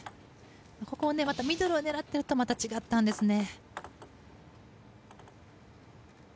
ここをミドルを狙っているとまた違ったんですけどね。